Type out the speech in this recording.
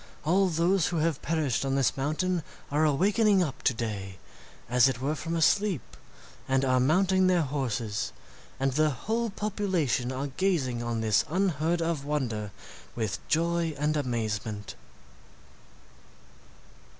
All those who have perished on this mountain are awakening up to day, as it were from a sleep, and are mounting their horses, and the whole population are gazing on this unheard of wonder with joy and amazement."